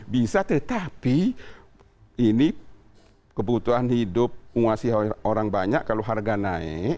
bisa tetapi ini kebutuhan hidup menguasai orang banyak kalau harga naik